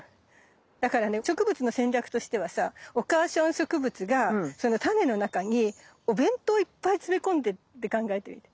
だからね植物の戦略としてはさお母さん植物がその種の中にお弁当いっぱい詰め込んでって考えてみて。